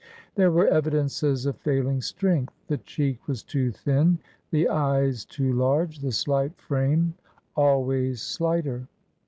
There were evidences of failing strength. The cheek was too thin, the eyes too large, the slight frame always slighter.